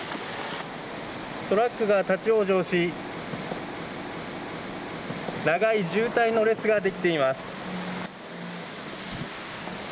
トラックが立ち往生し長い渋滞の列ができています。